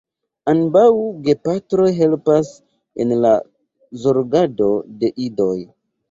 Ambaŭ gepatroj helpas en la zorgado de idoj.